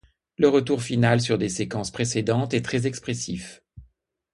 Le retour final sur des séquences précédentes est très expressif.